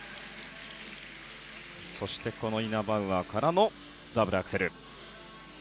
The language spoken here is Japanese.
イナバウアーからのダブルアクセル。